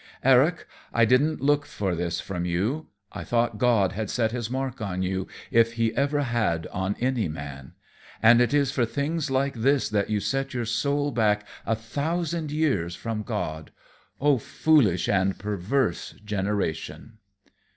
"Eric, I didn't look for this from you. I thought God had set his mark on you if he ever had on any man. And it is for things like this that you set your soul back a thousand years from God. O foolish and perverse generation!"